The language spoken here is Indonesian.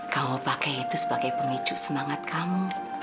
kamu pakai itu sebagai pemicu semangat kamu